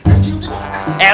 aji udah kata